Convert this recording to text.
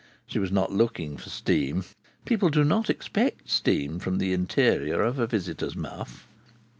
She was not looking for steam. People do not expect steam from the interior of a visitor's muff.